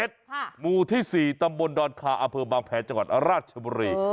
หมู่ที่๔ตำบลดอนคาอำเภอบางแพรจังหวัดราชบุรี